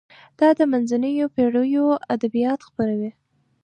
دا د منځنیو پیړیو ادبیات خپروي.